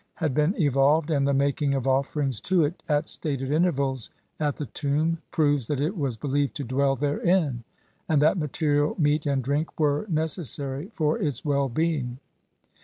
iad been evolved, and the making of offerings to it at stated intervals at the tomb proves that it was believed to dwell therein, and that material meat and drink were necessary for its well being.